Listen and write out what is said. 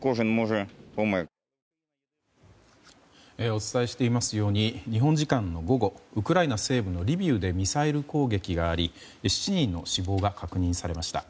お伝えしていますように日本時間の午後ウクライナ西部のリビウでミサイル攻撃があり７人の死亡が確認されました。